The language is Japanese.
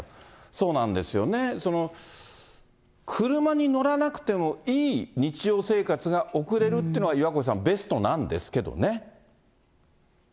そうなんですよね、車に乗らなくてもいい日常生活が送れるっていうのが、岩越さん、ベストなんですけれどもね。